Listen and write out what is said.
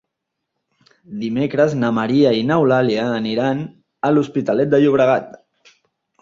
Dimecres na Maria i n'Eulàlia aniran a l'Hospitalet de Llobregat.